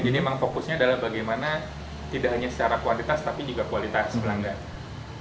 jadi memang fokusnya adalah bagaimana tidak hanya secara kualitas tapi juga kualitas pelanggan